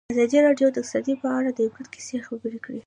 ازادي راډیو د اقتصاد په اړه د عبرت کیسې خبر کړي.